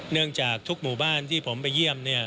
เนื่องจากทุกหมู่บ้านที่ผมไปเยี่ยม